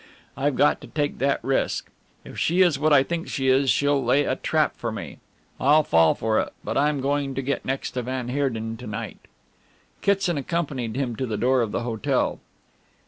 I've got to take that risk. If she is what I think she is, she'll lay a trap for me I'll fall for it, but I'm going to get next to van Heerden to night." Kitson accompanied him to the door of the hotel.